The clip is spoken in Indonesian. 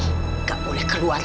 kamu gak boleh keluar